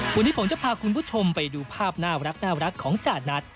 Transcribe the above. วันนี้ผมจะพาคุณผู้ชมไปดูภาพน่ารักของจานัท